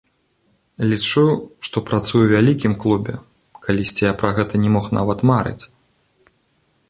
Лічу, што працую ў вялікім клубе, калісьці я пра гэта не мог нават марыць.